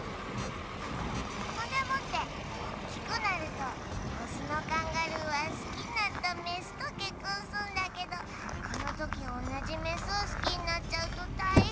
そんでもっておっきくなるとオスのカンガルーはすきになったメスとけっこんすんだけどこのときおんなじメスをすきになっちゃうとたいへんなんだ。